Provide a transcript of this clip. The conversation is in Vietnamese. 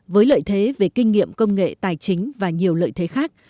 với lợi thế về kinh nghiệm công nghệ tài chính và nhiều lợi thế khác